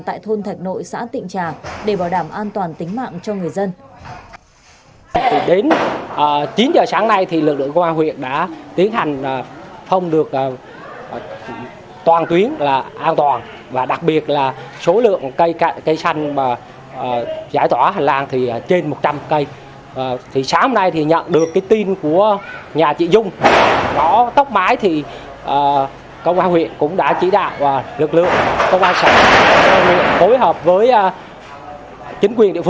tại thôn thạch nội xã tịnh trà để bảo đảm an toàn tính mạng cho người dân